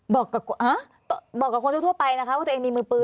บอกกับคนทั่วไปนะคะว่าตัวเองมีมือปืน